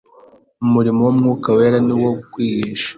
Umurimo w'Umwuka Wera ni uwo kwigisha